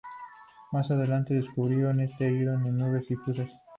Más adelante, descubrieron este ión en nubes difusas.